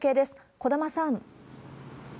児玉さん。